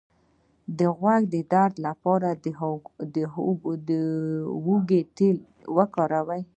د غوږ د درد لپاره د هوږې تېل وکاروئ